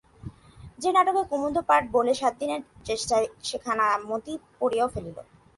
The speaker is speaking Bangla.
যে নাটকে কুমুদ পার্ট বলে সাতদিনের চেষ্টায় সেখানা মতি পড়িয়াও ফেলিল।